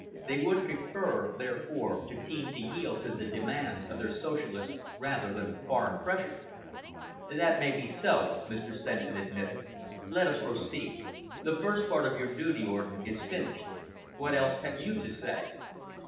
They would prefer, therefore, to seem to yield to the demands of their own Socialists rather than to foreign pressure." "That may be so," Mr. Stenson admitted. "Let us proceed. The first part of your duty, Orden, is finished. What else have you to say?"